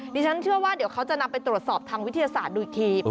ดิฉันเชื่อว่าเดี๋ยวเขาจะนำไปตรวจสอบทางวิทยาศาสตร์ดูอีกที